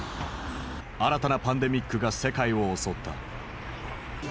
新たなパンデミックが世界を襲った。